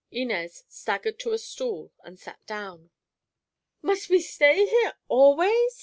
Inez staggered to a stool and sat down. "Must we stay here always?"